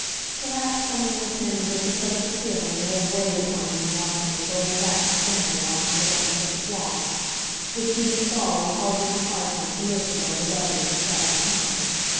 Perhaps something akin to this oppressive feeling may have weighed upon you in watching this old fashioned family life on the banks of the Floss, which even sorrow hardly suffices to lift above the level of the tragi comic.